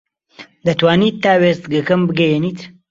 دەتوانیت تا وێستگەکەم بگەیەنیت؟